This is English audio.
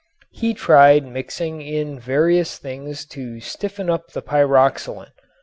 He tried mixing in various things to stiffen up the pyroxylin.